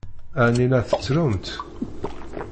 Ɛni la tettrumt?